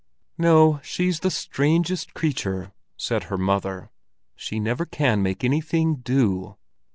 "No, she's the strangest creature," said her mother. "She never can make anything do."